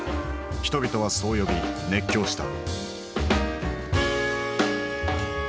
人々はそう呼び熱狂した。